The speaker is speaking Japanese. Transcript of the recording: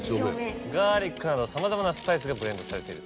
ガーリックなどさまざまなスパイスがブレンドされている。